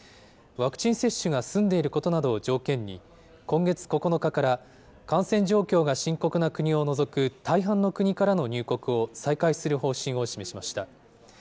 ワクチン接種が済んでいることなどを条件に、今月９日から感染状況が深刻な国を除く大半の国からの入国を再開する方針を示しました。